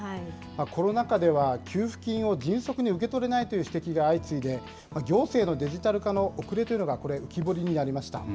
コロナ禍では給付金を迅速に受け取れないという指摘が相次いで、行政のデジタル化の遅れというのがこれ、浮き彫りになりました。